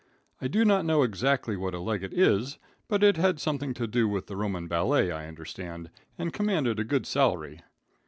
I do not know exactly what a legate is, but it had something to do with the Roman ballet, I understand, and commanded a good salary.